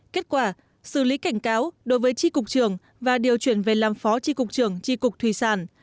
kết quả xử lý cảnh cáo đối với tri cục trường và điều chuyển về làm phó tri cục trưởng tri cục thủy sản